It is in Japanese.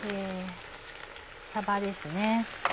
さばですね。